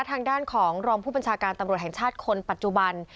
ทางด้านของรองผู้บัญชาการตำรวจแห่งชาติคนปัจจุบัน